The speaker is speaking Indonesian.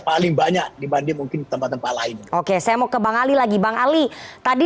paling banyak dibanding mungkin tempat tempat lain oke saya mau ke bang ali lagi bang ali tadi